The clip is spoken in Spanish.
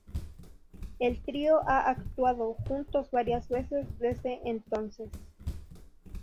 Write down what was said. El trío ha actuado juntos varias veces desde entonces.